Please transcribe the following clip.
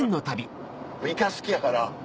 イカ好きやから。